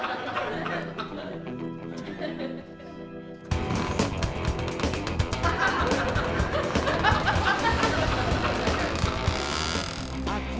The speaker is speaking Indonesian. tuh tuh tuh